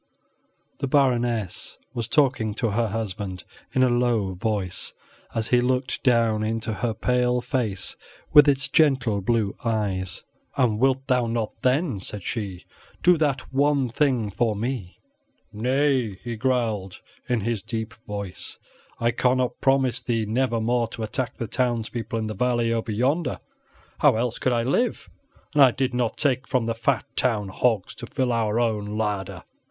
The Baroness was talking to her husband in a low voice, as he looked down into her pale face, with its gentle blue eyes. "And wilt thou not, then," said she, "do that one thing for me?" "Nay," he growled, in his deep voice, "I cannot promise thee never more to attack the towns people in the valley over yonder. How else could I live an' I did not take from the fat town hogs to fill our own larder?"